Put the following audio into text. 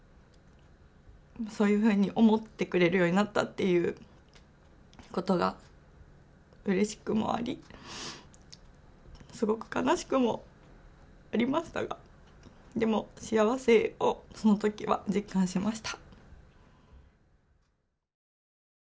そういうふうに思ってくれるようになったっていうことがうれしくもありすごく悲しくもありましたがでも幸せをそのときは実感しました。